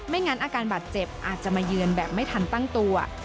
งั้นอาการบาดเจ็บอาจจะมาเยือนแบบไม่ทันตั้งตัว